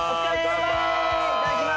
いただきます！